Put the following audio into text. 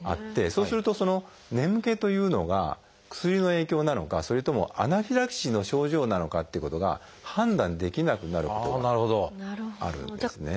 そうするとその眠気というのが薬の影響なのかそれともアナフィラキシーの症状なのかっていうことが判断できなくなることがあるんですね。